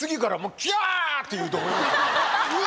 うわ！